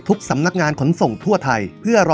ทุกสำนักงานขนส่งทั่วไทย